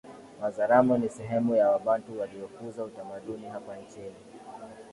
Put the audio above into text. Wazaramo ni sehemu ya Wabantu waliokuza utamaduni hapa nchini